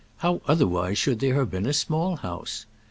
How otherwise should there have been a Small House?